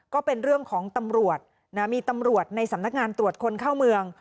ก็เป็นเรื่องของตำรวจนะมีตำรวจในสำนักงานตรวจคนเข้าเมือง